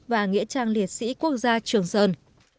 và nghĩa trang liệt sĩ quốc gia trường sơn